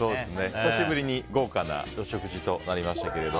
久しぶりに豪華なお食事となりましたが。